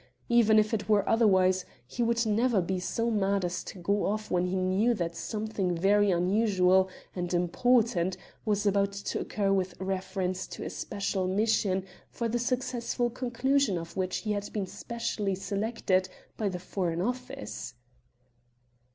Even if it were otherwise, he would never be so mad as to go off when he knew that something very unusual and important was about to occur with reference to a special mission for the successful conclusion of which he had been specially selected by the Foreign Office."